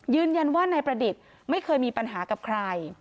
ยืนยันว่านายประดิษฐ์ไม่เคยมีปัญหากับใคร